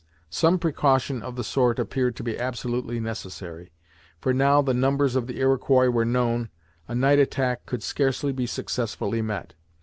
Some precaution of the sort appeared to be absolutely necessary, for now the numbers of the Iroquois were known, a night attack could scarcely be successfully met.